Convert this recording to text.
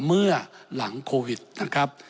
เมื่อหลังโควิดนะครับ